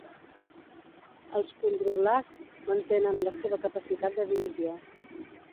Els condroblasts mantenen la seva capacitat de divisió.